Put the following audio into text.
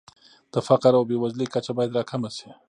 د فقر او بېوزلۍ کچه باید راکمه شي.